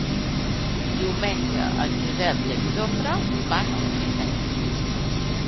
Diumenge en Josep i en Jofre van a Montseny.